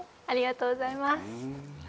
ありがとうございます。